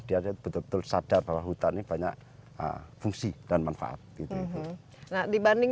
dia betul betul sadar bahwa hutan ini banyak fungsi dan manfaat gitu itu nah dibanding